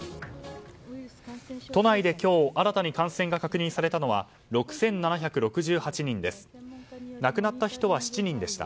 都内で今日新たに感染が確認されたのは６７６８人です。